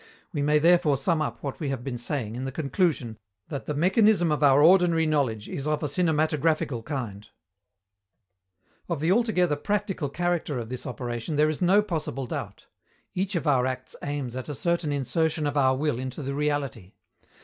We may therefore sum up what we have been saying in the conclusion that the mechanism of our ordinary knowledge is of a cinematographical kind. Of the altogether practical character of this operation there is no possible doubt. Each of our acts aims at a certain insertion of our will into the reality.